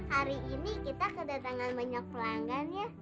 hari ini kita kedatangan banyak pelanggan ya